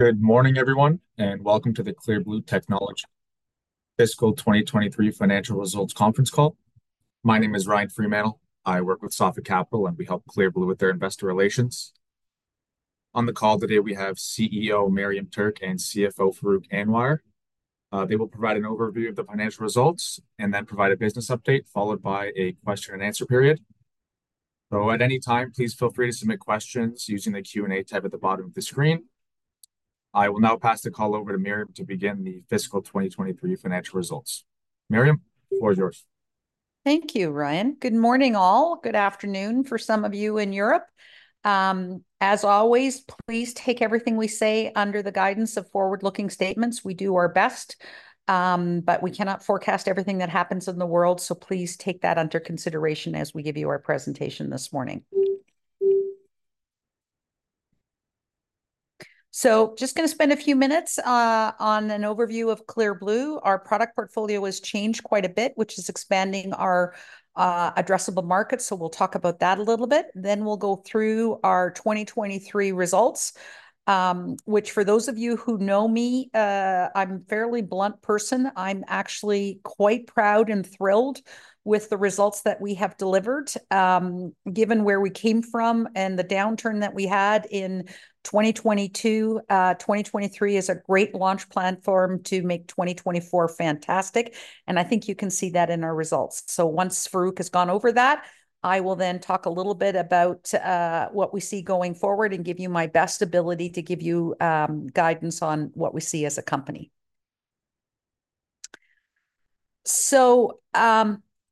Good morning, everyone, and welcome to the Clear Blue Technologies Fiscal 2023 Financial Results conference call. My name is Ryan Freemantle. I work with Sophic Capital, and we help Clear Blue Technologies with their investor relations. On the call today, we have CEO Miriam Tuerk and CFO Farooq Anwar. They will provide an overview of the financial results and then provide a business update, followed by a question and answer period. So at any time, please feel free to submit questions using the Q&A tab at the bottom of the screen. I will now pass the call over to Miriam to begin the fiscal 2023 financial results. Miriam, the floor is yours. Thank you, Ryan. Good morning, all. Good afternoon for some of you in Europe. As always, please take everything we say under the guidance of forward-looking statements. We do our best, but we cannot forecast everything that happens in the world, so please take that under consideration as we give you our presentation this morning. So just gonna spend a few minutes on an overview of Clear Blue. Our product portfolio has changed quite a bit, which is expanding our addressable market, so we'll talk about that a little bit. Then we'll go through our 2023 results, which for those of you who know me, I'm a fairly blunt person. I'm actually quite proud and thrilled with the results that we have delivered. Given where we came from and the downturn that we had in 2022, 2023 is a great launch platform to make 2024 fantastic, and I think you can see that in our results. So once Farooq has gone over that, I will then talk a little bit about what we see going forward and give you my best ability to give you guidance on what we see as a company.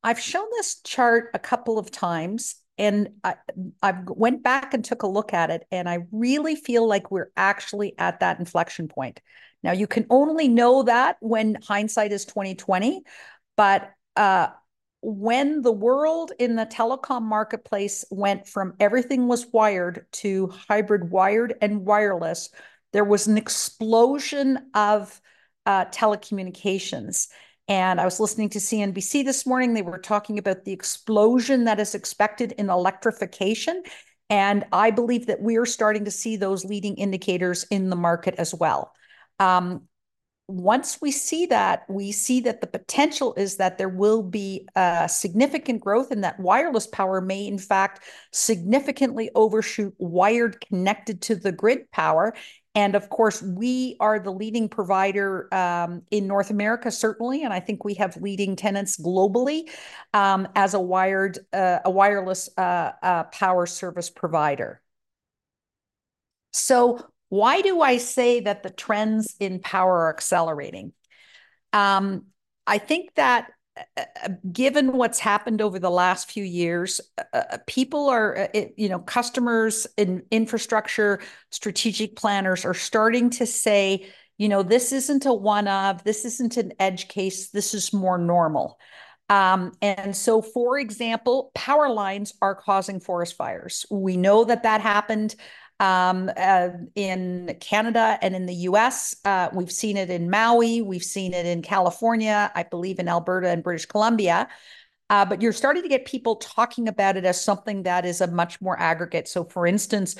I've shown this chart a couple of times, and I went back and took a look at it, and I really feel like we're actually at that inflection point. Now, you can only know that when hindsight is 2020, but when the world in the telecom marketplace went from everything was wired to hybrid wired and wireless, there was an explosion of telecommunications. And I was listening to CNBC this morning. They were talking about the explosion that is expected in electrification, and I believe that we are starting to see those leading indicators in the market as well. Once we see that, we see that the potential is that there will be significant growth, and that wireless power may, in fact, significantly overshoot wired, connected-to-the-grid power. And of course, we are the leading provider in North America, certainly, and I think we have leading tenants globally as a wireless power service provider. So why do I say that the trends in power are accelerating? I think that, given what's happened over the last few years, people are, you know, customers in infrastructure, strategic planners are starting to say, "You know, this isn't a one-off. This isn't an edge case. This is more normal." And so, for example, power lines are causing forest fires. We know that that happened in Canada and in the U.S. We've seen it in Maui. We've seen it in California, I believe in Alberta and British Columbia. But you're starting to get people talking about it as something that is a much more aggregate. So, for instance,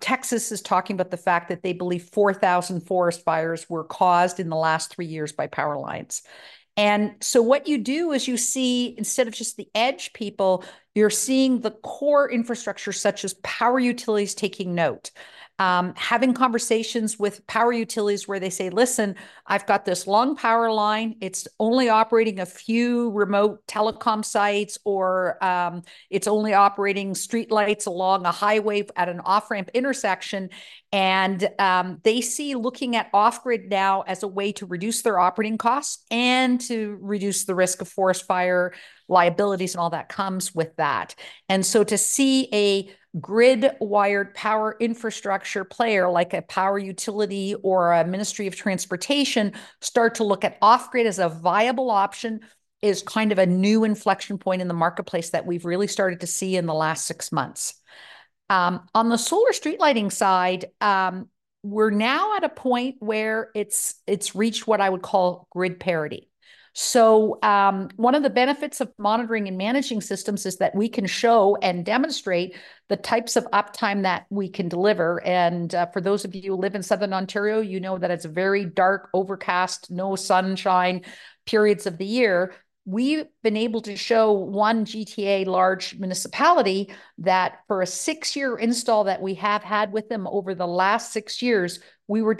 Texas is talking about the fact that they believe 4,000 forest fires were caused in the last three years by power lines. And so what you do is you see, instead of just the edge people, you're seeing the core infrastructure, such as power utilities, taking note. Having conversations with power utilities where they say, "Listen, I've got this long power line. It's only operating a few remote telecom sites," or, "It's only operating streetlights along a highway at an off-ramp intersection." They see looking at off-grid now as a way to reduce their operating costs and to reduce the risk of forest fire liabilities and all that comes with that. So to see a grid-wired power infrastructure player, like a power utility or a ministry of transportation, start to look at off-grid as a viable option is kind of a new inflection point in the marketplace that we've really started to see in the last six months. On the solar street lighting side, we're now at a point where it's reached what I would call grid parity. One of the benefits of monitoring and managing systems is that we can show and demonstrate the types of uptime that we can deliver, and for those of you who live in Southern Ontario, you know that it's very dark, overcast, no-sunshine periods of the year. We've been able to show one GTA large municipality that for a six-year install that we have had with them over the last six years, we were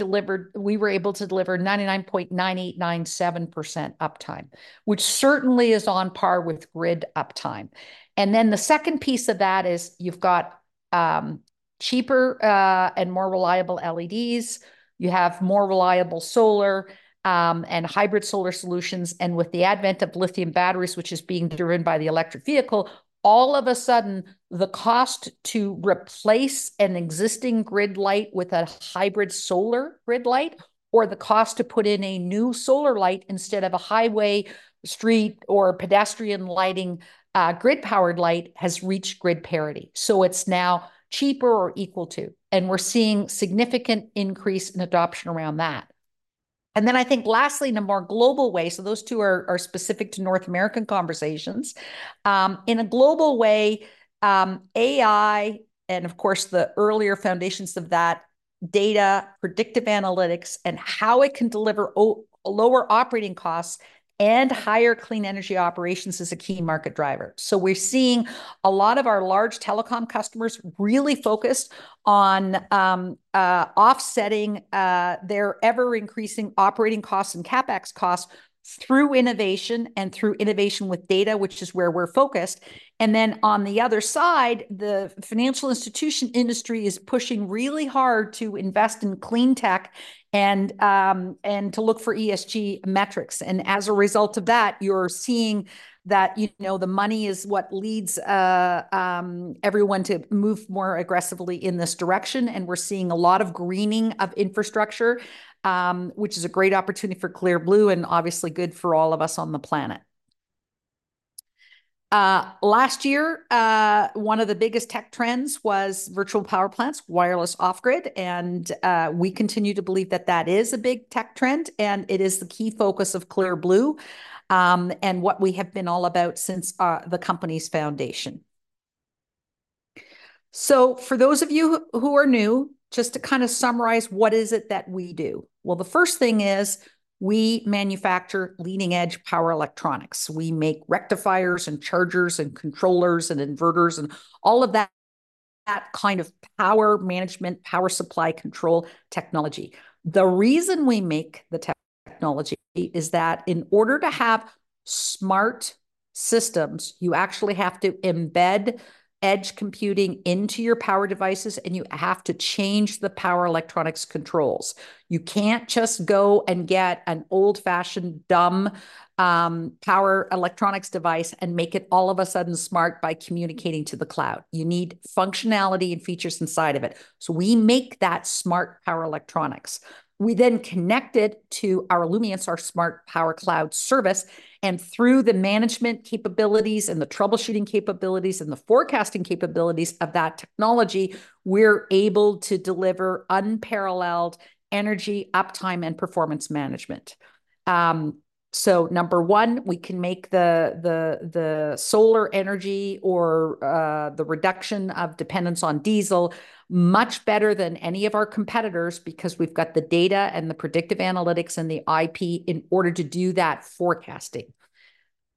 able to deliver 99.9897% uptime, which certainly is on par with grid uptime. And then the second piece of that is you've got cheaper and more reliable LEDs. You have more reliable solar, and hybrid solar solutions, and with the advent of lithium batteries, which is being driven by the electric vehicle, all of a sudden, the cost to replace an existing grid light with a hybrid solar grid light or the cost to put in a new solar light instead of a highway, street, or pedestrian lighting, grid-powered light, has reached grid parity. So it's now cheaper or equal to, and we're seeing significant increase in adoption around that.... and then I think lastly, in a more global way, so those two are specific to North American conversations. In a global way, AI, and of course, the earlier foundations of that data, predictive analytics, and how it can deliver lower operating costs and higher clean energy operations is a key market driver. So we're seeing a lot of our large telecom customers really focused on offsetting their ever-increasing operating costs and CapEx costs through innovation and through innovation with data, which is where we're focused. And then on the other side, the financial institution industry is pushing really hard to invest in Clean Tech and to look for ESG metrics. And as a result of that, you're seeing that, you know, the money is what leads everyone to move more aggressively in this direction, and we're seeing a lot of greening of infrastructure, which is a great opportunity for Clear Blue and obviously good for all of us on the planet. Last year, one of the biggest tech trends was virtual power plants, wireless off-grid, and we continue to believe that that is a big tech trend, and it is the key focus of Clear Blue, and what we have been all about since the company's foundation. So for those of you who are new, just to kinda summarize, what is it that we do? Well, the first thing is, we manufacture leading-edge power electronics. We make rectifiers and chargers and controllers and inverters and all of that, that kind of power management, power supply control technology. The reason we make the technology is that in order to have smart systems, you actually have to embed edge computing into your power devices, and you have to change the power electronics controls. You can't just go and get an old-fashioned, dumb, power electronics device and make it all of a sudden smart by communicating to the cloud. You need functionality and features inside of it. So we make that smart power electronics. We then connect it to our Illumience, our smart power cloud service, and through the management capabilities and the troubleshooting capabilities and the forecasting capabilities of that technology, we're able to deliver unparalleled energy, uptime, and performance management. So number one, we can make the solar energy or the reduction of dependence on diesel much better than any of our competitors because we've got the data and the predictive analytics and the IP in order to do that forecasting.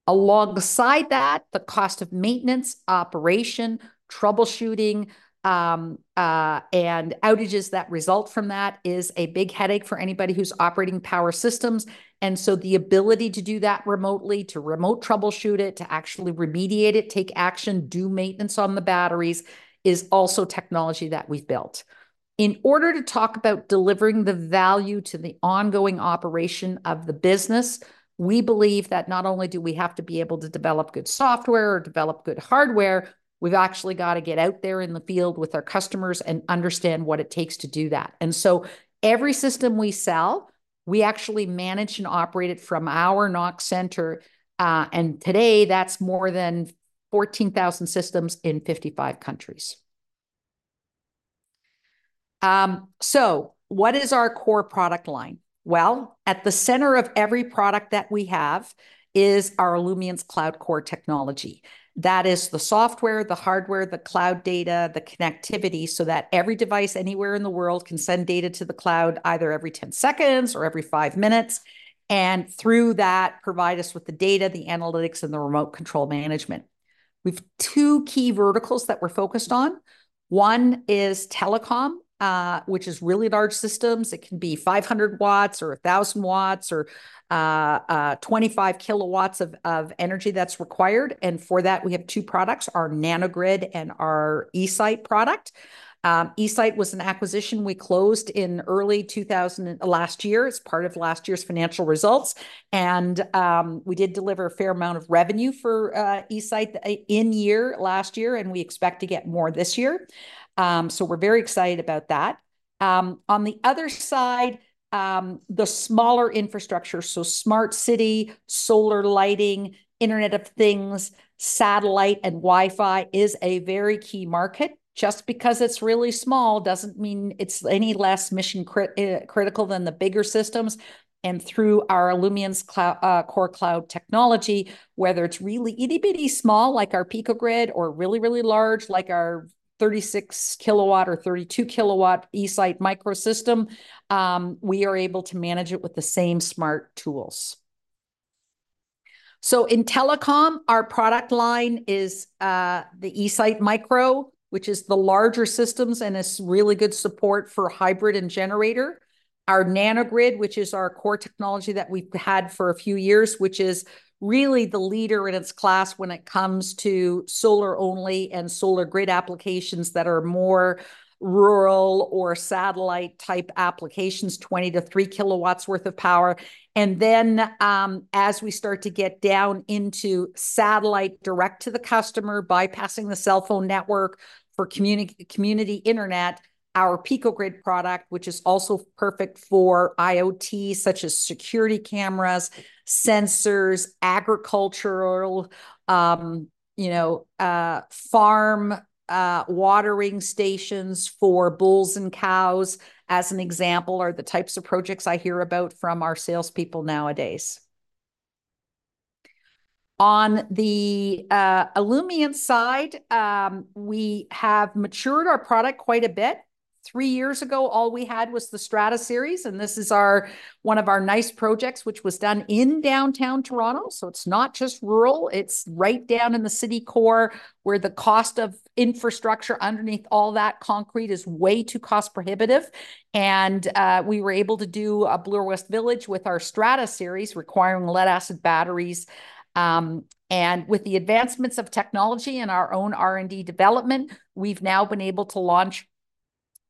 Alongside that, the cost of maintenance, operation, troubleshooting, and outages that result from that is a big headache for anybody who's operating power systems. The ability to do that remotely, to remote troubleshoot it, to actually remediate it, take action, do maintenance on the batteries, is also technology that we've built. In order to talk about delivering the value to the ongoing operation of the business, we believe that not only do we have to be able to develop good software or develop good hardware, we've actually gotta get out there in the field with our customers and understand what it takes to do that. Every system we sell, we actually manage and operate it from our NOC center, and today, that's more than 14,000 systems in 55 countries. So what is our core product line? Well, at the center of every product that we have is our Illumience Cloud Core technology. That is the software, the hardware, the cloud data, the connectivity, so that every device anywhere in the world can send data to the cloud, either every 10 seconds or every five minutes, and through that, provide us with the data, the analytics, and the remote control management. We've two key verticals that we're focused on. One is telecom, which is really large systems. It can be 500 W or 1,000 W or 25 kW of energy that's required, and for that, we have two products, our Nano-Grid and our eSite product. eSite was an acquisition we closed in early 2023, last year. It's part of last year's financial results, and we did deliver a fair amount of revenue for eSite last year, and we expect to get more this year. So we're very excited about that. On the other side, the smaller infrastructure, so smart city, solar lighting, Internet of Things, satellite, and Wi-Fi is a very key market. Just because it's really small doesn't mean it's any less mission critical than the bigger systems, and through our Illumience Cloud Core technology, whether it's really itty-bitty small, like our Pico-Grid, or really, really large, like our 36 kW or 32 kW eSite-Micro system, we are able to manage it with the same smart tools. So in telecom, our product line is, the eSite-Micro, which is the larger systems, and it's really good support for hybrid and generator; our Nano-Grid, which is our core technology that we've had for a few years, which is really the leader in its class when it comes to solar-only and solar grid applications that are more rural or satellite-type applications, 20-3 kW worth of power; and then, as we start to get down into satellite direct to the customer, bypassing the cell phone network for community internet, our Pico-Grid product, which is also perfect for IoT, such as security cameras, sensors, agricultural, you know, farm watering stations for bulls and cows, as an example, are the types of projects I hear about from our salespeople nowadays... on the Illumience side, we have matured our product quite a bit. Three years ago, all we had was the Strada series, and this is our, one of our nice projects, which was done in downtown Toronto. So it's not just rural, it's right down in the city core, where the cost of infrastructure underneath all that concrete is way too cost-prohibitive. And, we were able to do a Bloor West Village with our Strada series, requiring lead-acid batteries. And with the advancements of technology and our own R&D development, we've now been able to launch,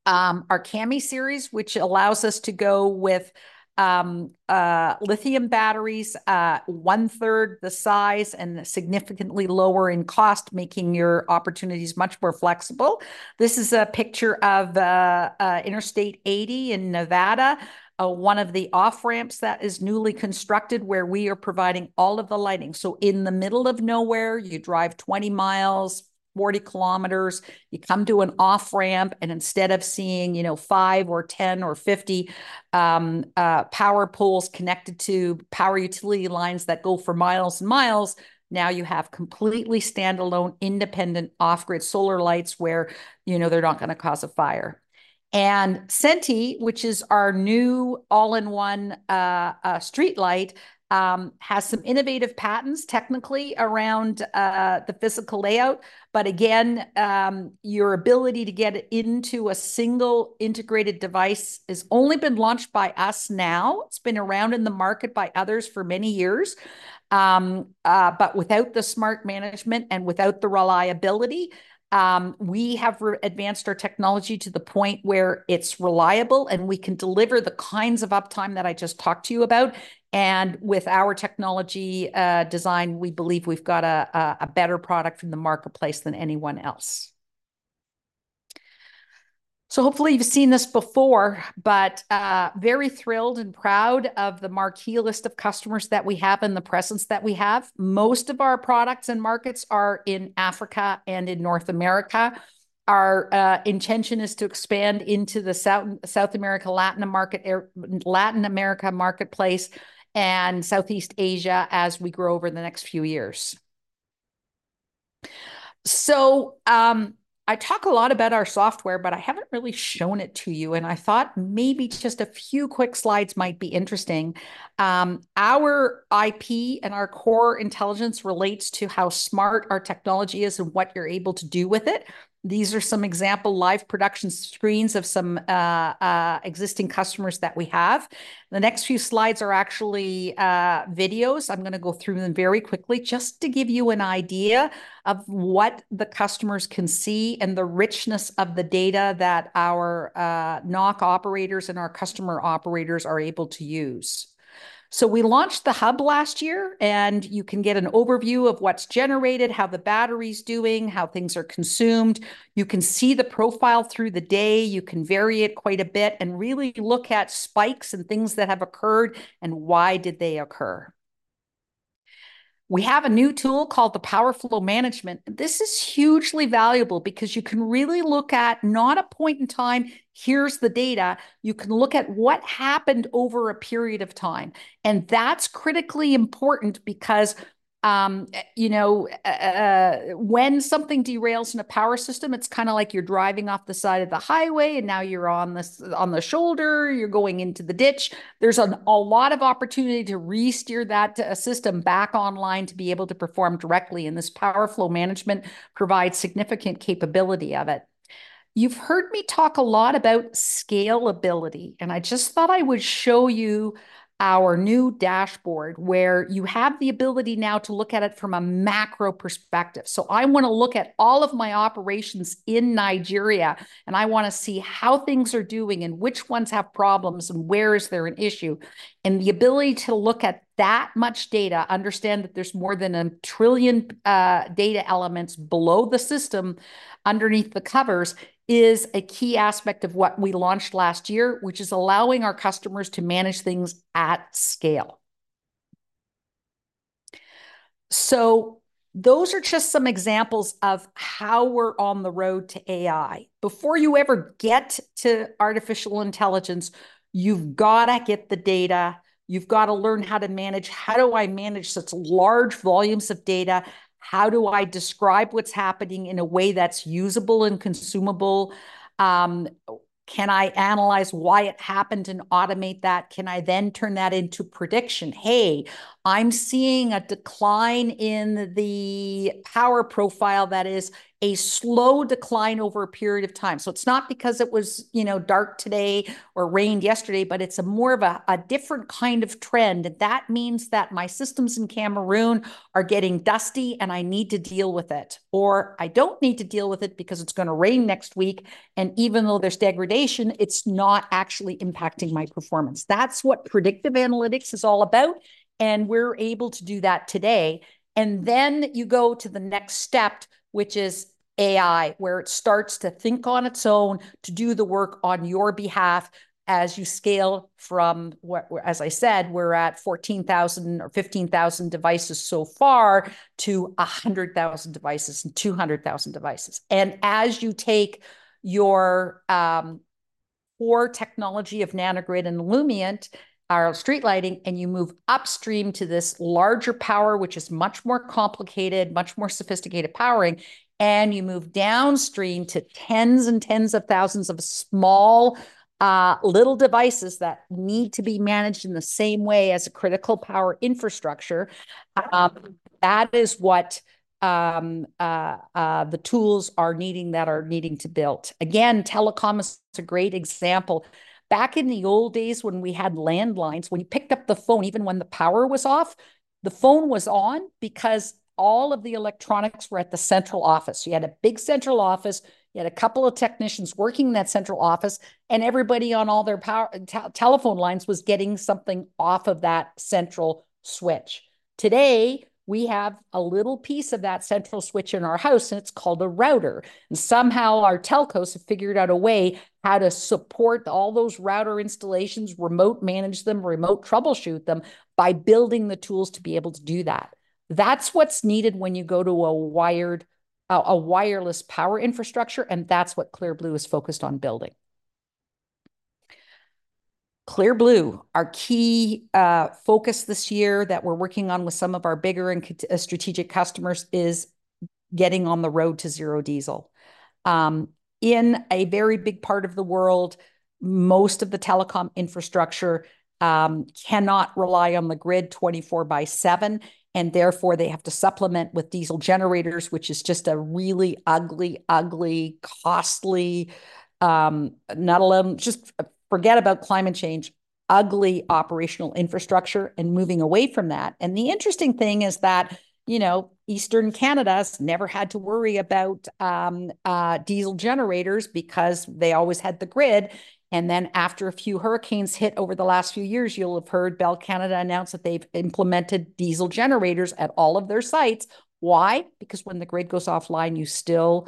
our Cammi series, which allows us to go with, lithium batteries, one-third the size and significantly lower in cost, making your opportunities much more flexible. This is a picture of, Interstate 80 in Nevada, one of the off-ramps that is newly constructed, where we are providing all of the lighting. So in the middle of nowhere, you drive 20 miles, 40 kms, you come to an off-ramp, and instead of seeing, you know, five or 10 or 50 power poles connected to power utility lines that go for miles and miles, now you have completely standalone, independent, off-grid solar lights where, you know, they're not gonna cause a fire. And Senti, which is our new all-in-one streetlight, has some innovative patents technically around the physical layout. But again, your ability to get it into a single integrated device has only been launched by us now. It's been around in the market by others for many years. But without the smart management and without the reliability, we have advanced our technology to the point where it's reliable and we can deliver the kinds of uptime that I just talked to you about, and with our technology design, we believe we've got a better product in the marketplace than anyone else. So hopefully you've seen this before, but very thrilled and proud of the marquee list of customers that we have and the presence that we have. Most of our products and markets are in Africa and in North America. Our intention is to expand into the South America, Latin America market, or Latin America marketplace and Southeast Asia as we grow over the next few years. I talk a lot about our software, but I haven't really shown it to you, and I thought maybe just a few quick slides might be interesting. Our IP and our core intelligence relates to how smart our technology is and what you're able to do with it. These are some example live production screens of some existing customers that we have. The next few slides are actually videos. I'm gonna go through them very quickly just to give you an idea of what the customers can see and the richness of the data that our NOC operators and our customer operators are able to use. We launched the Hub last year, and you can get an overview of what's generated, how the battery's doing, how things are consumed. You can see the profile through the day. You can vary it quite a bit and really look at spikes and things that have occurred and why did they occur. We have a new tool called the Power Flow Management. This is hugely valuable because you can really look at not a point in time, here's the data, you can look at what happened over a period of time, and that's critically important because, you know, when something derails in a power system, it's kind of like you're driving off the side of the highway, and now you're on the shoulder, you're going into the ditch. There's a lot of opportunity to re-steer that system back online to be able to perform directly, and this Power Flow Management provides significant capability of it. You've heard me talk a lot about scalability, and I just thought I would show you our new dashboard, where you have the ability now to look at it from a macro perspective. So I wanna look at all of my operations in Nigeria, and I wanna see how things are doing and which ones have problems and where is there an issue. And the ability to look at that much data, understand that there's more than 1 trillion data elements below the system, underneath the covers, is a key aspect of what we launched last year, which is allowing our customers to manage things at scale. So those are just some examples of how we're on the road to AI. Before you ever get to artificial intelligence, you've gotta get the data. You've gotta learn how to manage, how do I manage such large volumes of data? How do I describe what's happening in a way that's usable and consumable? Can I analyze why it happened and automate that? Can I then turn that into prediction? "Hey, I'm seeing a decline in the power profile that is a slow decline over a period of time." So it's not because it was, you know, dark today or rained yesterday, but it's more of a different kind of trend. That means that my systems in Cameroon are getting dusty, and I need to deal with it, or I don't need to deal with it because it's gonna rain next week, and even though there's degradation, it's not actually impacting my performance. That's what predictive analytics is all about, and we're able to do that today. Then you go to the next step, which is AI, where it starts to think on its own, to do the work on your behalf as you scale from as I said, we're at 14,000 or 15,000 devices so far, to 100,000 devices and 200,000 devices. As you take your core technology of Nano-Grid and Illumient are street lighting, and you move upstream to this larger power, which is much more complicated, much more sophisticated powering, and you move downstream to tens and tens of thousands of small little devices that need to be managed in the same way as a critical power infrastructure. That is what the tools are needing, that are needing to build. Again, telecom is a great example. Back in the old days when we had landlines, when you picked up the phone, even when the power was off, the phone was on because all of the electronics were at the central office. You had a big central office, you had a couple of technicians working in that central office, and everybody on all their power, telephone lines was getting something off of that central switch. Today, we have a little piece of that central switch in our house, and it's called a router, and somehow our telcos have figured out a way how to support all those router installations, remote manage them, remote troubleshoot them, by building the tools to be able to do that. That's what's needed when you go to a wired... a wireless power infrastructure, and that's what Clear Blue is focused on building. Clear Blue, our key focus this year that we're working on with some of our bigger and strategic customers is getting on the road to zero diesel. In a very big part of the world, most of the telecom infrastructure cannot rely on the grid 24/7, and therefore, they have to supplement with diesel generators, which is just a really ugly, ugly, costly, just forget about climate change, ugly operational infrastructure and moving away from that. The interesting thing is that, you know, Eastern Canada has never had to worry about diesel generators because they always had the grid, and then after a few hurricanes hit over the last few years, you'll have heard Bell Canada announce that they've implemented diesel generators at all of their sites. Why? Because when the grid goes offline, you still,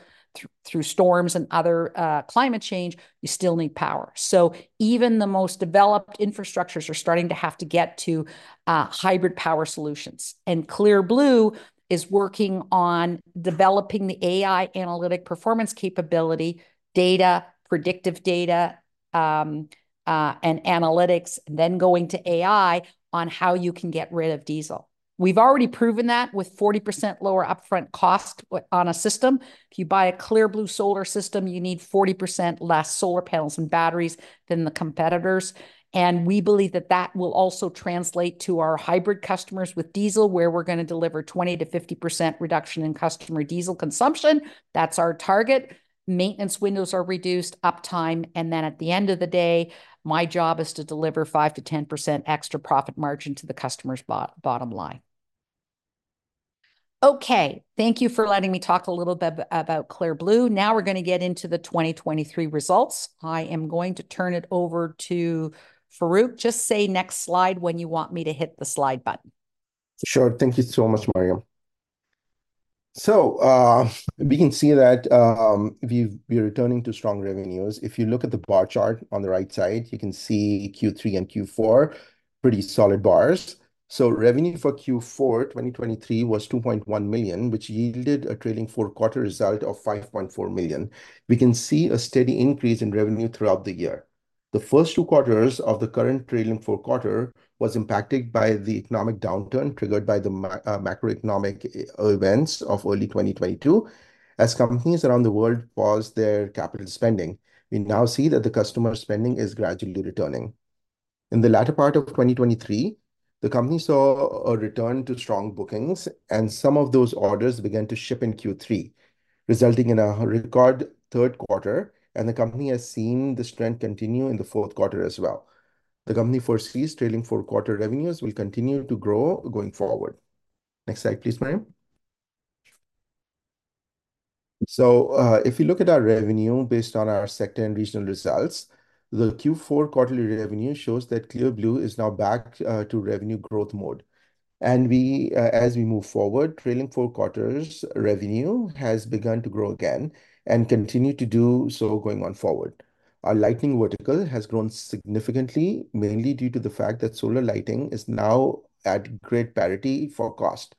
through storms and other climate change, you still need power. So even the most developed infrastructures are starting to have to get to hybrid power solutions. And Clear Blue is working on developing the AI analytic performance capability, data, predictive data, and analytics, and then going to AI on how you can get rid of diesel. We've already proven that with 40% lower upfront cost on a system. If you buy a Clear Blue solar system, you need 40% less solar panels and batteries than the competitors, and we believe that that will also translate to our hybrid customers with diesel, where we're gonna deliver 20%-50% reduction in customer diesel consumption. That's our target. Maintenance windows are reduced, uptime, and then at the end of the day, my job is to deliver 5%-10% extra profit margin to the customer's bottom line. Okay, thank you for letting me talk a little bit about Clear Blue. Now we're gonna get into the 2023 results. I am going to turn it over to Farooq. Just say next slide when you want me to hit the slide button. Sure. Thank you so much, Miriam. So, we can see that, we're returning to strong revenues. If you look at the bar chart on the right side, you can see Q3 and Q4, pretty solid bars. So revenue for Q4 2023 was 2.1 million, which yielded a trailing four quarter result of 5.4 million. We can see a steady increase in revenue throughout the year. The first two quarters of the current trailing four quarter was impacted by the economic downturn, triggered by the macroeconomic events of early 2022, as companies around the world paused their capital spending. We now see that the customer spending is gradually returning. In the latter part of 2023, the company saw a return to strong bookings, and some of those orders began to ship in Q3, resulting in a record third quarter, and the company has seen the trend continue in the fourth quarter as well. The company foresees trailing four quarter revenues will continue to grow going forward. Next slide, please, Miriam. So, if you look at our revenue based on our sector and regional results, the Q4 quarterly revenue shows that Clear Blue is now back to revenue growth mode. And we, as we move forward, trailing four quarters revenue has begun to grow again, and continue to do so going on forward. Our lighting vertical has grown significantly, mainly due to the fact that solar lighting is now at grid parity for cost.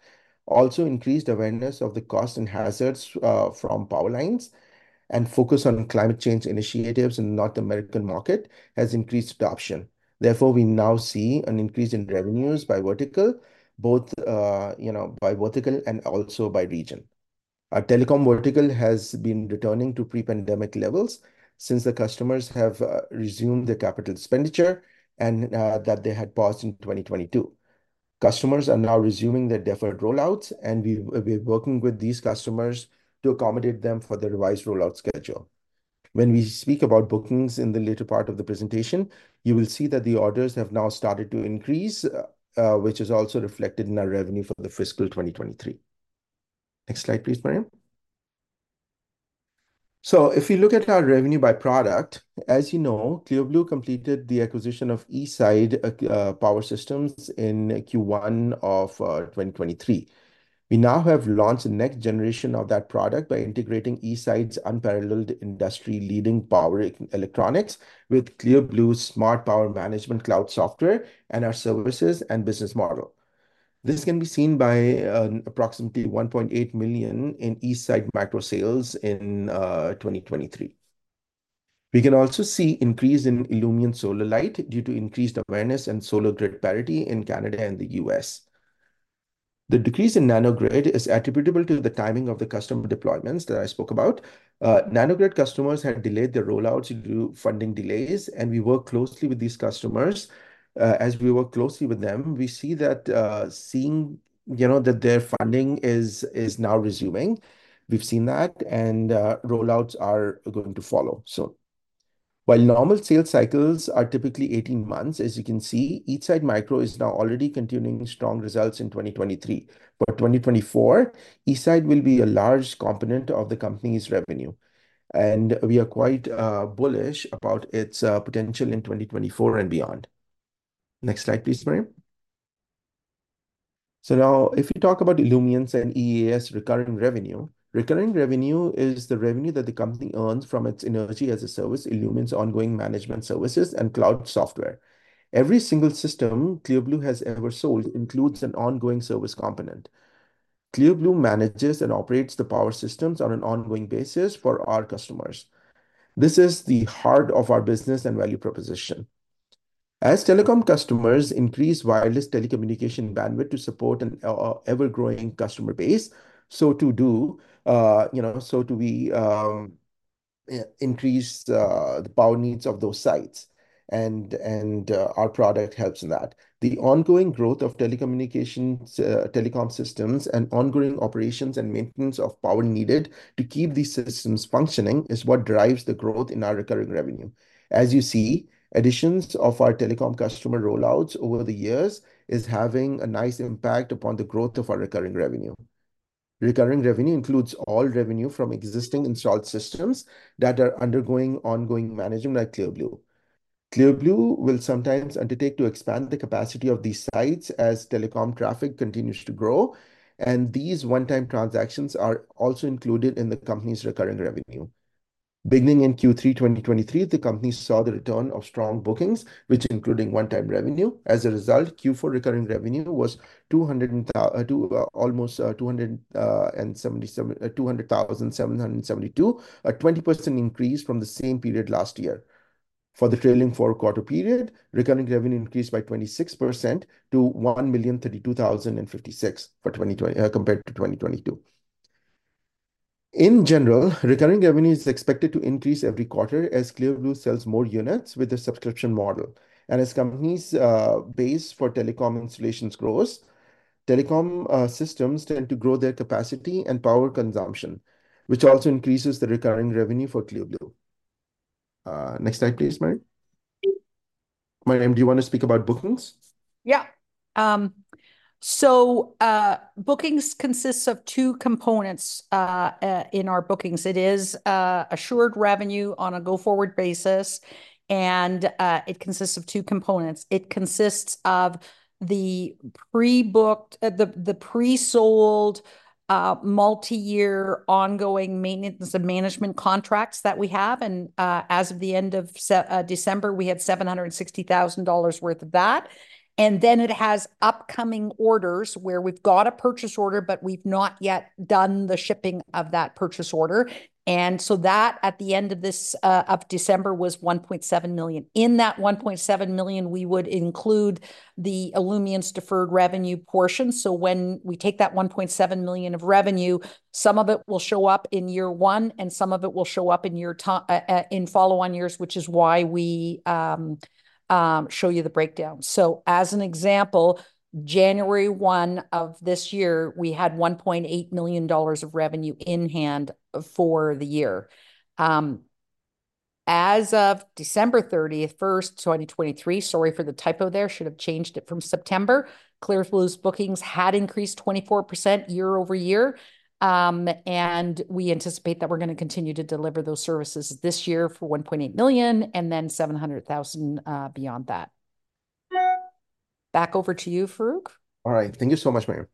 Also, increased awareness of the cost and hazards from power lines and focus on climate change initiatives in the North American market has increased adoption. Therefore, we now see an increase in revenues by vertical, both, you know, by vertical and also by region. Our telecom vertical has been returning to pre-pandemic levels since the customers have resumed the capital expenditure and that they had paused in 2022. Customers are now resuming their deferred rollouts, and we're working with these customers to accommodate them for the revised rollout schedule. When we speak about bookings in the later part of the presentation, you will see that the orders have now started to increase, which is also reflected in our revenue for the fiscal 2023. Next slide, please, Miriam. So if you look at our revenue by product, as you know, Clear Blue Technologies completed the acquisition of eSite Power Systems in Q1 of 2023. We now have launched the next generation of that product by integrating eSite's unparalleled industry-leading power electronics with Clear Blue Technologies' smart power management cloud software and our services and business model. This can be seen by approximately 1.8 million in eSite-Micro sales in 2023. We can also see increase in Illumient solar light due to increased awareness and solar grid parity in Canada and the U.S. The decrease in Nano-Grid is attributable to the timing of the customer deployments that I spoke about. Nano-Grid customers had delayed their rollouts due to funding delays, and we work closely with these customers. As we work closely with them, we see that, seeing, you know, that their funding is now resuming. We've seen that, and rollouts are going to follow. So while normal sales cycles are typically 18 months, as you can see, eSite-Micro is now already continuing strong results in 2023. But 2024, eSite will be a large component of the company's revenue, and we are quite bullish about its potential in 2024 and beyond. Next slide, please, Mary. So now, if you talk about Illumience and EaaS recurring revenue, recurring revenue is the revenue that the company earns from its Energy-as-a-Service, Illumience's ongoing management services, and cloud software. Every single system Clear Blue has ever sold includes an ongoing service component. Clear Blue manages and operates the power systems on an ongoing basis for our customers. This is the heart of our business and value proposition. As telecom customers increase wireless telecommunication bandwidth to support an ever-growing customer base, so too do, you know, so do we increase the power needs of those sites, and our product helps in that. The ongoing growth of telecommunications, telecom systems and ongoing operations and maintenance of power needed to keep these systems functioning is what drives the growth in our recurring revenue. As you see, additions of our telecom customer rollouts over the years is having a nice impact upon the growth of our recurring revenue. Recurring revenue includes all revenue from existing installed systems that are undergoing ongoing management by Clear Blue. Clear Blue will sometimes undertake to expand the capacity of these sites as telecom traffic continues to grow, and these one-time transactions are also included in the company's recurring revenue. Beginning in Q3 2023, the company saw the return of strong bookings, which including one-time revenue. As a result, Q4 recurring revenue was 200,772, a 20% increase from the same period last year. For the trailing four-quarter period, recurring revenue increased by 26% to 1,032,056 for 2023 compared to 2022. In general, recurring revenue is expected to increase every quarter as Clear Blue sells more units with a subscription model. And as companies' base for telecom installations grows, telecom systems tend to grow their capacity and power consumption, which also increases the recurring revenue for Clear Blue. Next slide, please, Miriam. Miriam, do you wanna speak about bookings? Yeah. So, bookings consists of two components in our bookings. It is assured revenue on a go-forward basis, and it consists of two components. It consists of the pre-booked, the pre-sold multi-year ongoing maintenance and management contracts that we have, and as of the end of December, we had 760,000 dollars worth of that. And then it has upcoming orders, where we've got a purchase order, but we've not yet done the shipping of that purchase order. And so that, at the end of this of December, was 1.7 million. In that 1.7 million, we would include the Illumience's deferred revenue portion. So when we take that $1.7 million of revenue, some of it will show up in year one, and some of it will show up in year two, in follow-on years, which is why we show you the breakdown. So as an example, January 1 of this year, we had $1.8 million of revenue in hand for the year. As of December 31, 2023... Sorry for the typo there, should have changed it from September. Clear Blue's bookings had increased 24% year-over-year. And we anticipate that we're gonna continue to deliver those services this year for $1.8 million, and then $700,000 beyond that. Back over to you, Farooq. All right. Thank you so much, Miriam.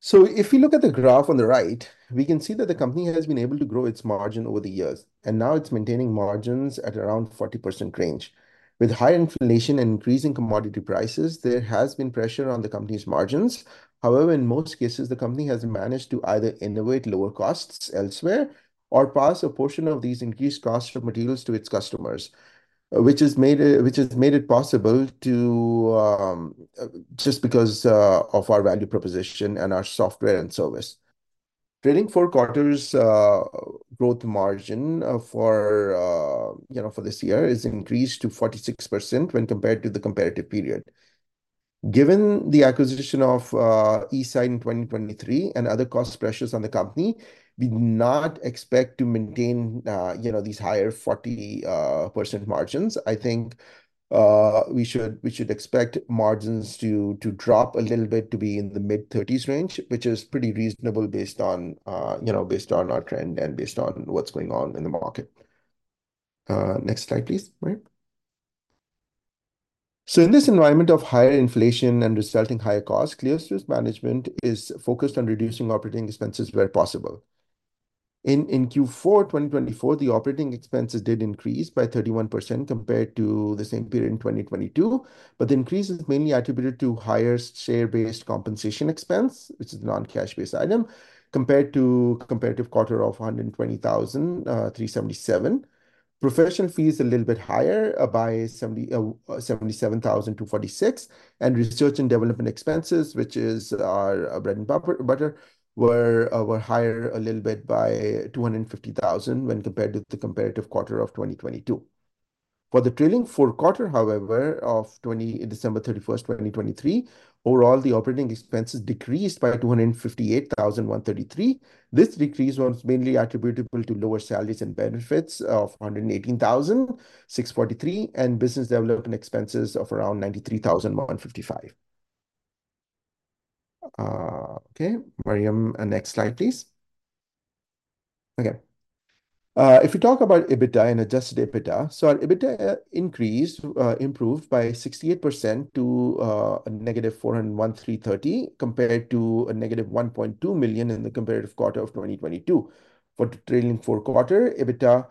So if you look at the graph on the right, we can see that the company has been able to grow its margin over the years, and now it's maintaining margins at around 40% range. With high inflation and increasing commodity prices, there has been pressure on the company's margins. However, in most cases, the company has managed to either innovate lower costs elsewhere or pass a portion of these increased costs of materials to its customers, which has made it possible to just because of our value proposition and our software and service. Trailing four quarters gross margin, you know, for this year has increased to 46% when compared to the comparable period. Given the acquisition of eSite in 2023 and other cost pressures on the company, we do not expect to maintain, you know, these higher 40% margins. I think we should expect margins to drop a little bit to be in the mid-30s range, which is pretty reasonable based on, you know, based on our trend and based on what's going on in the market. Next slide, please, Miriam. So in this environment of higher inflation and resulting higher costs, Clear Blue's management is focused on reducing operating expenses where possible. In Q4 2024, the operating expenses did increase by 31% compared to the same period in 2022. But the increase is mainly attributed to higher share-based compensation expense, which is a non-cash-based item, compared to comparative quarter of 120,000, 377. Professional fees a little bit higher by 77,246, and research and development expenses, which is our bread and butter, were higher a little bit by 250,000 when compared to the comparative quarter of 2022. For the trailing fourth quarter, however, of December 31, 2023, overall, the operating expenses decreased by 258,133. This decrease was mainly attributable to lower salaries and benefits of 118,643, and business development expenses of around 93,155. Okay, Miriam, next slide, please. Okay. If you talk about EBITDA and Adjusted EBITDA, so our EBITDA increased, improved by 68% to -401,330, compared to -1.2 million in the comparative quarter of 2022. For the trailing fourth quarter, EBITDA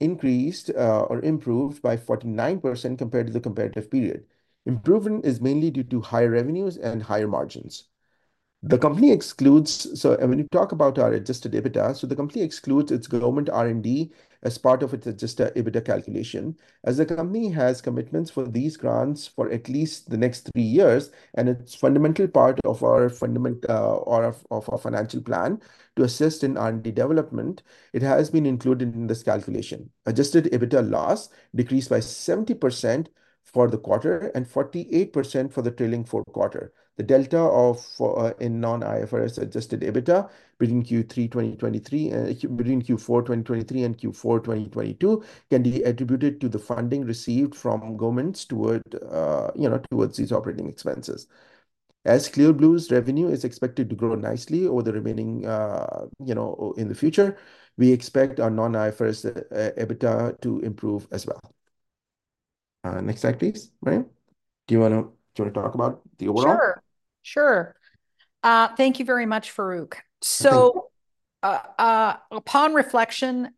increased, or improved by 49% compared to the comparative period. Improvement is mainly due to higher revenues and higher margins. The company excludes... So, and when you talk about our Adjusted EBITDA, so the company excludes its government R&D as part of its Adjusted EBITDA calculation. As the company has commitments for these grants for at least the next three years, and it's fundamental part of our fundament-, or of, of our financial plan to assist in R&D development, it has been included in this calculation. Adjusted EBITDA loss decreased by 70% for the quarter and 48% for the trailing fourth quarter. The delta of, in non-IFRS Adjusted EBITDA between Q3 2023 and, between Q4 2023 and Q4 2022 can be attributed to the funding received from governments toward, you know, towards these operating expenses. As Clear Blue's revenue is expected to grow nicely over the remaining, you know, or in the future, we expect our non-IFRS EBITDA to improve as well. Next slide, please. Miriam, do you wanna, do you wanna talk about the overall? Sure, sure. Thank you very much, Farooq. Mm-hmm. So, upon reflection,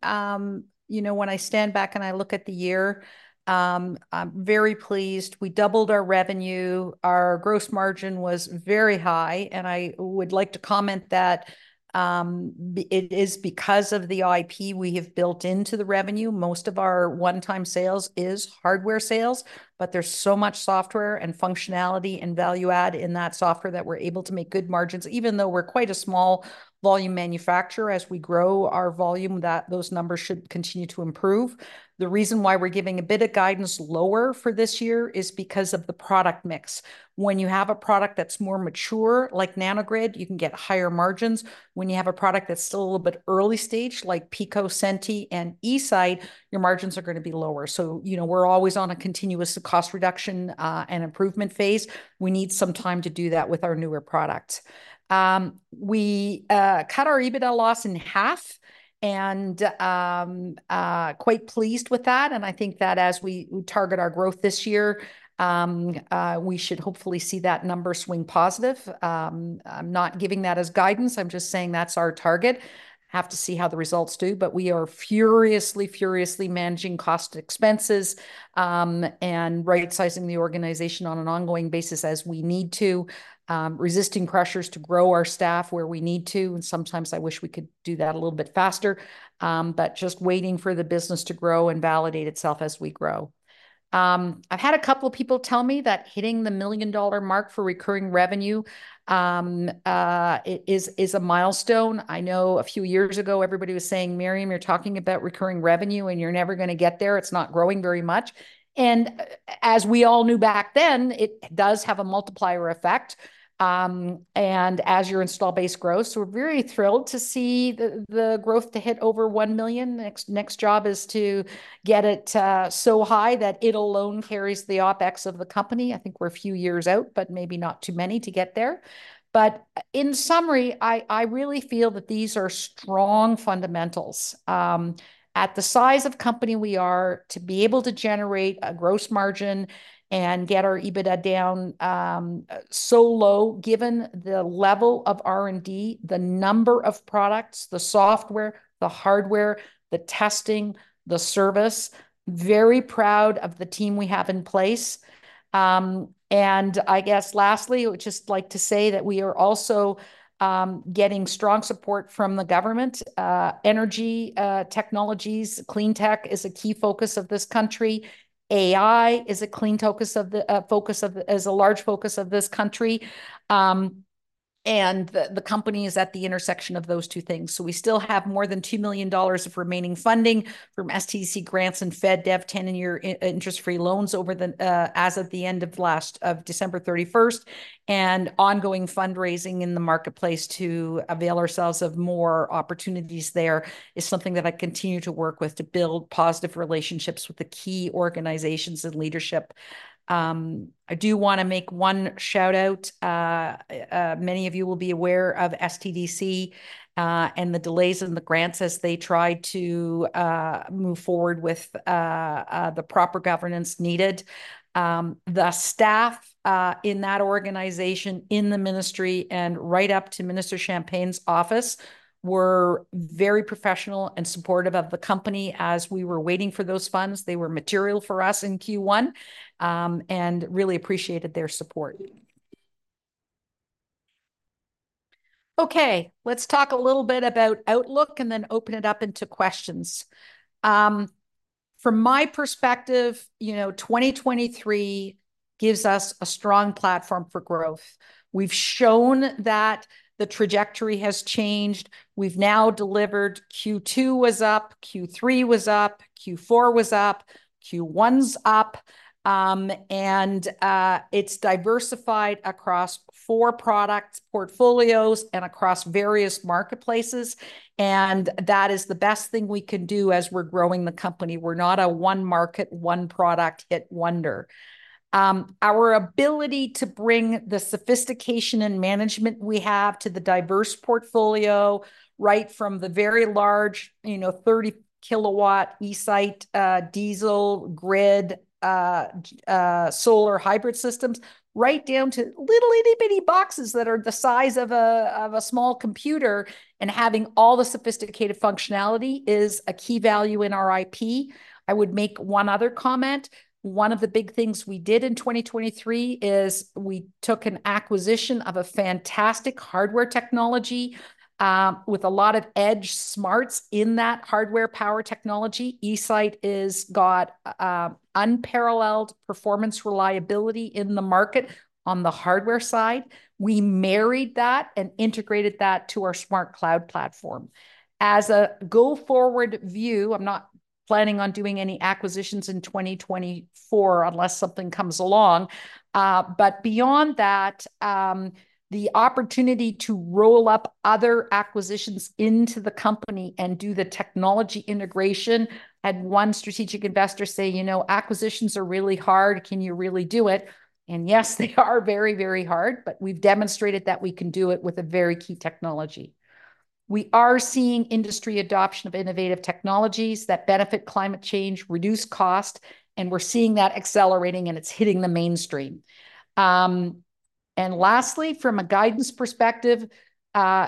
you know, when I stand back and I look at the year, I'm very pleased. We doubled our revenue. Our gross margin was very high, and I would like to comment that, it is because of the IP we have built into the revenue. Most of our one-time sales is hardware sales, but there's so much software and functionality and value add in that software that we're able to make good margins, even though we're quite a small volume manufacturer. As we grow our volume, that those numbers should continue to improve. The reason why we're giving a bit of guidance lower for this year is because of the product mix. When you have a product that's more mature, like Nano-Grid, you can get higher margins. When you have a product that's still a little bit early stage, like Pico, Senti, and eSite, your margins are gonna be lower. So, you know, we're always on a continuous cost reduction, and improvement phase. We need some time to do that with our newer products. We cut our EBITDA loss in half, and quite pleased with that, and I think that as we target our growth this year, we should hopefully see that number swing positive. I'm not giving that as guidance, I'm just saying that's our target. Have to see how the results do, but we are furiously, furiously managing cost expenses, and rightsizing the organization on an ongoing basis as we need to. Resisting pressures to grow our staff where we need to, and sometimes I wish we could do that a little bit faster, but just waiting for the business to grow and validate itself as we grow. I've had a couple of people tell me that hitting the 1 million dollar mark for recurring revenue is a milestone. I know a few years ago, everybody was saying, "Miriam, you're talking about recurring revenue, and you're never gonna get there. It's not growing very much." As we all knew back then, it does have a multiplier effect, and as your install base grows. So we're very thrilled to see the growth to hit over 1 million. Next job is to get it so high that it alone carries the OpEx of the company. I think we're a few years out, but maybe not too many to get there. But in summary, I really feel that these are strong fundamentals. At the size of company we are, to be able to generate a gross margin and get our EBITDA down, so low, given the level of R&D, the number of products, the software, the hardware, the testing, the service, very proud of the team we have in place. And I guess lastly, I would just like to say that we are also getting strong support from the government. Energy technologies, Clean Tech is a key focus of this country. AI is a clean focus of the focus of the is a large focus of this country. And the company is at the intersection of those two things. So we still have more than 2 million dollars of remaining funding from SDTC grants and FedDev 10-year interest-free loans over the, as of the end of December 31st, and ongoing fundraising in the marketplace to avail ourselves of more opportunities there, is something that I continue to work with to build positive relationships with the key organizations and leadership. I do wanna make one shout-out. Many of you will be aware of SDTC, and the delays in the grants as they try to move forward with the proper governance needed. The staff in that organization, in the ministry, and right up to Minister Champagne's office, were very professional and supportive of the company as we were waiting for those funds. They were material for us in Q1, and really appreciated their support. Okay, let's talk a little bit about outlook, and then open it up into questions. From my perspective, you know, 2023 gives us a strong platform for growth. We've shown that the trajectory has changed. We've now delivered. Q2 was up, Q3 was up, Q4 was up, Q1's up. It's diversified across four products, portfolios, and across various marketplaces, and that is the best thing we can do as we're growing the company. We're not a one market, one product hit wonder. Our ability to bring the sophistication and management we have to the diverse portfolio, right from the very large, you know, 30-kW eSite diesel-grid solar-hybrid systems, right down to little, itty-bitty boxes that are the size of a small computer, and having all the sophisticated functionality, is a key value in our IP. I would make one other comment. One of the big things we did in 2023 is we took an acquisition of a fantastic hardware technology, with a lot of edge smarts in that hardware power technology. eSite's got unparalleled performance reliability in the market on the hardware side. We married that and integrated that to our smart cloud platform. As a go-forward view, I'm not planning on doing any acquisitions in 2024, unless something comes along. But beyond that, the opportunity to roll up other acquisitions into the company and do the technology integration. I had one strategic investor say, "You know, acquisitions are really hard. Can you really do it?" And yes, they are very, very hard, but we've demonstrated that we can do it with a very key technology. We are seeing industry adoption of innovative technologies that benefit climate change, reduce cost, and we're seeing that accelerating, and it's hitting the mainstream. Lastly, from a guidance perspective,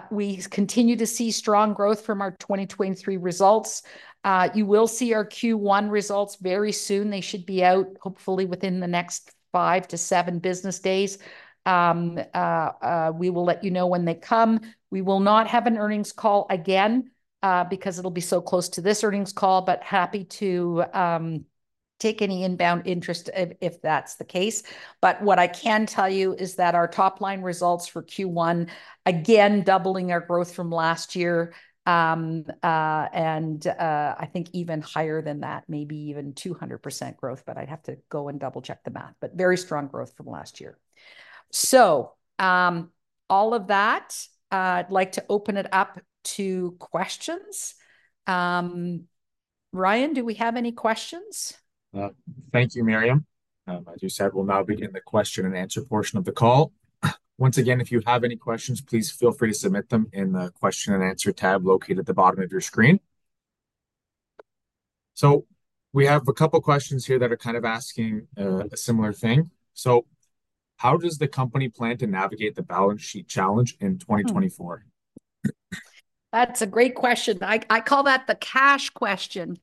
we continue to see strong growth from our 2023 results. You will see our Q1 results very soon. They should be out hopefully within the next five to seven business days. We will let you know when they come. We will not have an earnings call again, because it'll be so close to this earnings call, but happy to take any inbound interest if that's the case. But what I can tell you is that our top-line results for Q1, again, doubling our growth from last year, I think even higher than that, maybe even 200% growth, but I'd have to go and double-check the math, but very strong growth from last year. So, all of that, I'd like to open it up to questions. Ryan, do we have any questions? Thank you, Miriam. As you said, we'll now begin the question-and-answer portion of the call. Once again, if you have any questions, please feel free to submit them in the question-and-answer tab located at the bottom of your screen. So we have a couple questions here that are kind of asking a similar thing: "So how does the company plan to navigate the balance sheet challenge in 2024? That's a great question. I, I call that the cash question.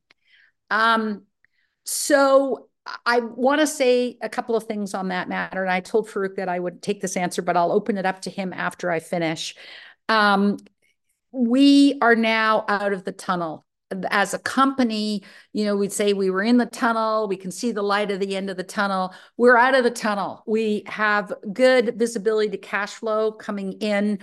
So I, I wanna say a couple of things on that matter, and I told Farooq that I would take this answer, but I'll open it up to him after I finish. We are now out of the tunnel. As a company, you know, we'd say we were in the tunnel. We can see the light at the end of the tunnel. We're out of the tunnel. We have good visibility to cash flow coming in.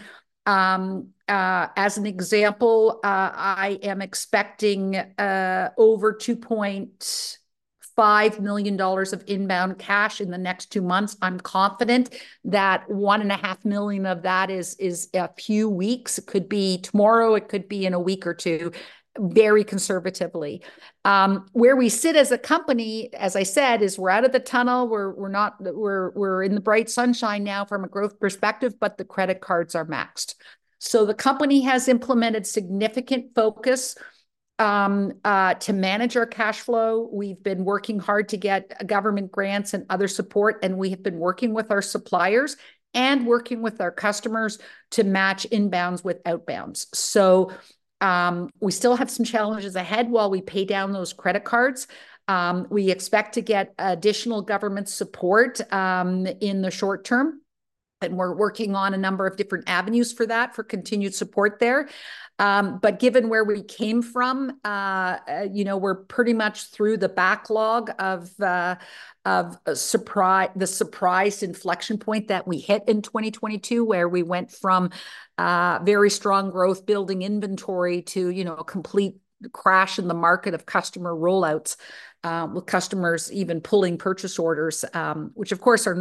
As an example, I am expecting over 2.5 million dollars of inbound cash in the next two months. I'm confident that 1.5 million of that is, is a few weeks. It could be tomorrow, it could be in a week or two, very conservatively. Where we sit as a company, as I said, is we're out of the tunnel. We're in the bright sunshine now from a growth perspective, but the credit cards are maxed. So the company has implemented significant focus to manage our cash flow. We've been working hard to get government grants and other support, and we have been working with our suppliers and working with our customers to match inbounds with outbounds. So, we still have some challenges ahead while we pay down those credit cards. We expect to get additional government support in the short term, and we're working on a number of different avenues for that, for continued support there. But given where we came from, you know, we're pretty much through the backlog of the surprise inflection point that we hit in 2022, where we went from very strong growth, building inventory, to, you know, a complete crash in the market of customer rollouts, with customers even pulling purchase orders, which of course are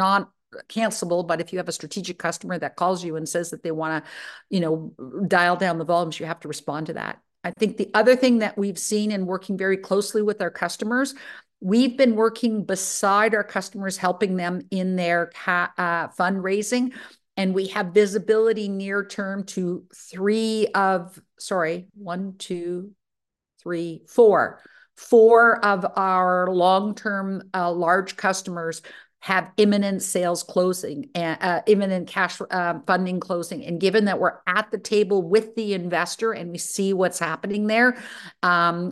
not cancelable. But if you have a strategic customer that calls you and says that they wanna, you know, dial down the volumes, you have to respond to that. I think the other thing that we've seen in working very closely with our customers, we've been working beside our customers, helping them in their fundraising, and we have visibility near term to three of... one, two- three, four. Four of our long-term, large customers have imminent sales closing and, imminent cash, funding closing. And given that we're at the table with the investor, and we see what's happening there,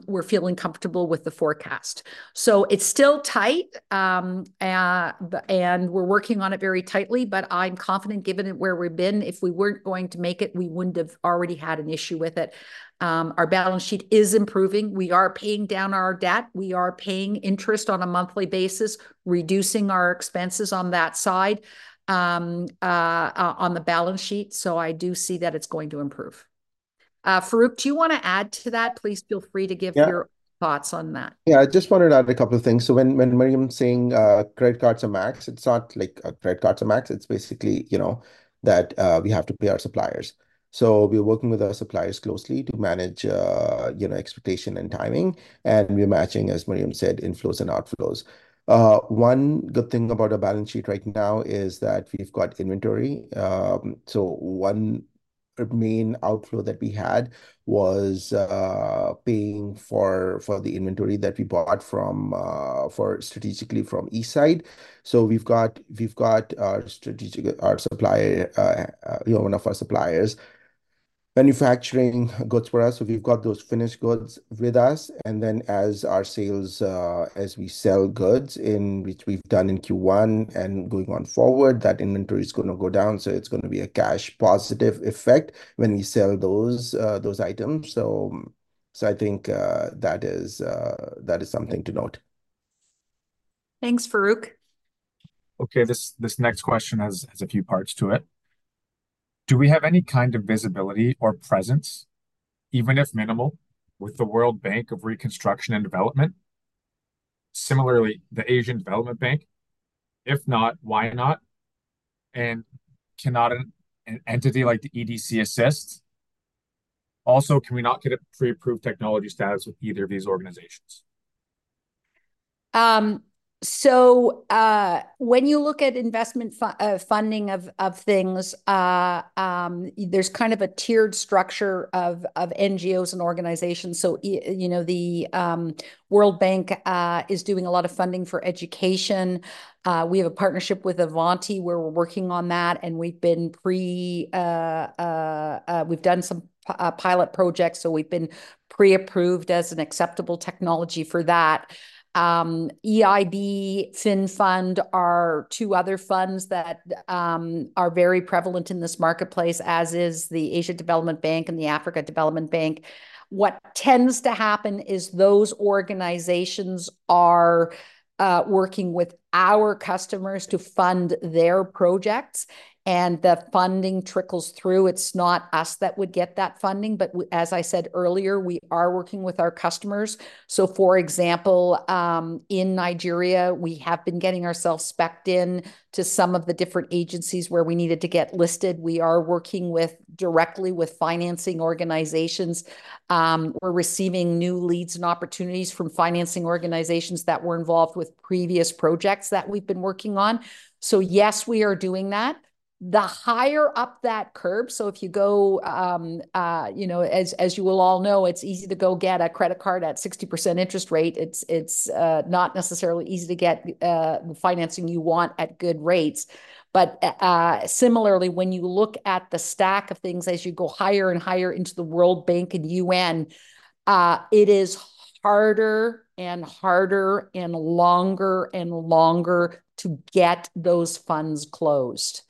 we're feeling comfortable with the forecast. So it's still tight, and we're working on it very tightly, but I'm confident, given it where we've been, if we weren't going to make it, we wouldn't have already had an issue with it. Our balance sheet is improving. We are paying down our debt. We are paying interest on a monthly basis, reducing our expenses on that side, on the balance sheet. So I do see that it's going to improve. Farooq, do you wanna add to that? Please feel free to give- Yeah. Your thoughts on that? Yeah, I just wanted to add a couple of things. So when Miriam saying, credit cards are maxed, it's not like, credit cards are maxed, it's basically, you know, that, we have to pay our suppliers. So we're working with our suppliers closely to manage, you know, expectation and timing, and we are matching, as Miriam said, inflows and outflows. One good thing about our balance sheet right now is that we've got inventory. So one main outflow that we had was paying for the inventory that we bought from, for strategically from eSite. So we've got our strategic- our supplier, you know, one of our suppliers manufacturing goods for us. So we've got those finished goods with us, and then as our sales... As we sell goods, in which we've done in Q1, and going forward, that inventory is gonna go down. So it's gonna be a cash positive effect when we sell those, those items. So, so I think, that is, that is something to note. Thanks, Farooq. Okay, this next question has a few parts to it: "Do we have any kind of visibility or presence, even if minimal, with the World Bank? Similarly, the Asian Development Bank. If not, why not? And cannot an entity like the EDC assist? Also, can we not get a pre-approved technology status with either of these organizations? So, when you look at investment funding of things, there's kind of a tiered structure of NGOs and organizations. You know, the World Bank is doing a lot of funding for education. We have a partnership with Avanti, where we're working on that, and we've done some pilot projects, so we've been pre-approved as an acceptable technology for that. EIB, Finnfund are two other funds that are very prevalent in this marketplace, as is the Asian Development Bank and the African Development Bank. What tends to happen is those organizations are working with our customers to fund their projects, and the funding trickles through. It's not us that would get that funding, but as I said earlier, we are working with our customers. So, for example, in Nigeria, we have been getting ourselves spec'd in to some of the different agencies where we needed to get listed. We are working with, directly with financing organizations. We're receiving new leads and opportunities from financing organizations that were involved with previous projects that we've been working on. So yes, we are doing that. The higher up that curve, so if you go, you know, as you will all know, it's easy to go get a credit card at 60% interest rate. It's not necessarily easy to get financing you want at good rates. But, similarly, when you look at the stack of things as you go higher and higher into the World Bank and UN, it is harder and harder and longer and longer to get those funds closed.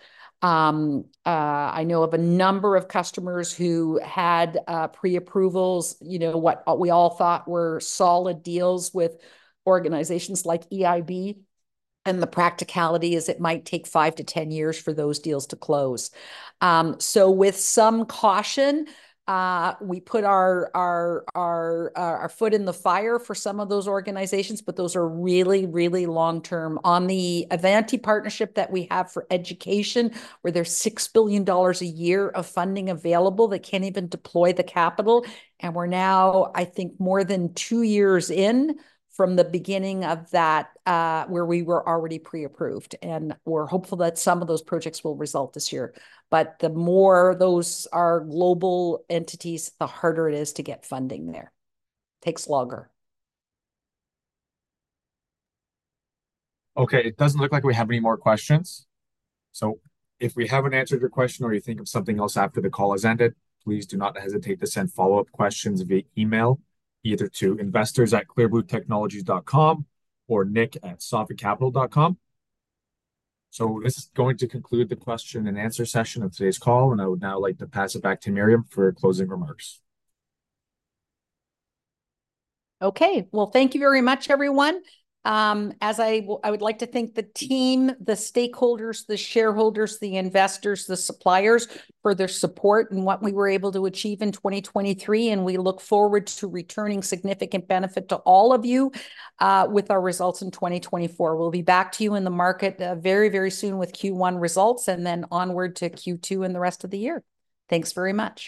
I know of a number of customers who had pre-approvals, you know, what we all thought were solid deals with organizations like EIB, and the practicality is it might take 5-10 years for those deals to close. So with some caution, we put our foot in the fire for some of those organizations, but those are really, really long-term. On the Avanti partnership that we have for education, where there's $6 billion a year of funding available, they can't even deploy the capital, and we're now, I think, more than 2 years in from the beginning of that where we were already pre-approved, and we're hopeful that some of those projects will result this year. But the more those are global entities, the harder it is to get funding there. Takes longer. Okay, it doesn't look like we have any more questions. So if we haven't answered your question or you think of something else after the call has ended, please do not hesitate to send follow-up questions via email, either to investors@clearbluetechnologies.com or nick@sophiccapital.com. So this is going to conclude the question and answer session of today's call, and I would now like to pass it back to Miriam for closing remarks. Okay. Well, thank you very much, everyone. As I would like to thank the team, the stakeholders, the shareholders, the investors, the suppliers for their support and what we were able to achieve in 2023, and we look forward to returning significant benefit to all of you with our results in 2024. We'll be back to you in the market very, very soon with Q1 results, and then onward to Q2 and the rest of the year. Thanks very much.